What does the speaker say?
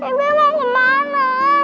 pimpin mau kemana